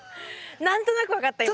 なんとなく分かった今。